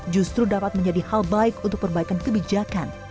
justru dapat menjadi hal baik untuk perbaikan kebijakan